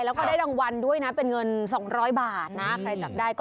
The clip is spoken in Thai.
แล้วก็ได้รางวัลด้วยนะเป็นเงิน๒๐๐บาท